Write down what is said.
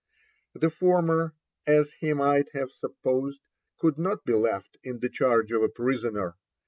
The former, as he might have supposed, could not be left in the charge of a prisoner.